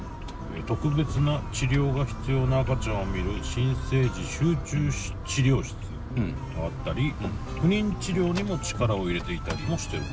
特別な治療が必要な赤ちゃんを見る新生児集中治療室があったり不妊治療にも力を入れていたりもしてる。